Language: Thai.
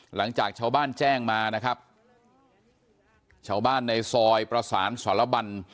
หลังจากชาวบ้านแจ้งมานะครับชาวบ้านในซอยประสานสรบัน